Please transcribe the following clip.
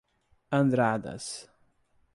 Andradas